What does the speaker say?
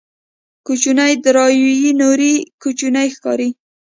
کوچنيې داراییو نورې کوچنۍ ښکاري.